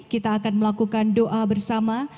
kita akan melakukan doa bersama